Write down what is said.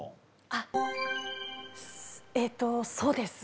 あえっとそうです。